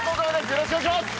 よろしくお願いします！